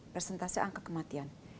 presentasi angka kematian